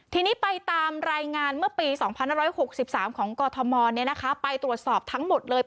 ทีนี้ไปตามรายงานเมื่อปี๒๑๖๓ของกรทมไปตรวจสอบทั้งหมดเลย